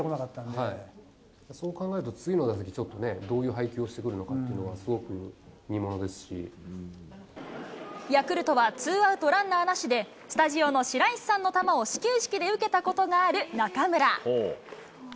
そう考えると次の打席、ちょっとね、どういう配球をしてくれるのかっていうのは、すごくヤクルトはツーアウト、ランナーなしで、スタジオの白石さんの球を始球式で受けたことがある中村。